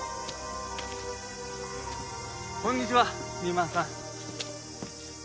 こんにちは三馬さん。